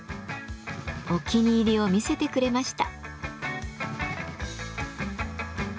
お気に入りを見せてくれました。